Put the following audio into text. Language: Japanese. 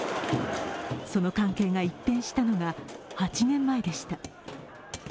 その関係が一変したのが８年前でした。